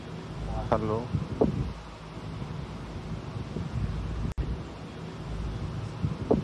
The scheme provided funding for training in three key areas.